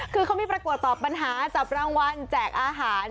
คือเขามีประกวดตอบปัญหาจับรางวัลแจกอาหาร